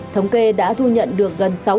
thống kê đã thu nhận được gần sáu triệu